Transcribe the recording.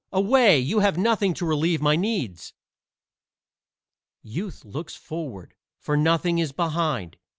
"Away! you have nothing to relieve my needs." Youth looks forward, for nothing is behind!